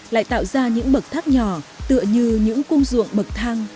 lại tạo ra những bậc thác nhỏ tựa như những cung ruộng bậc thang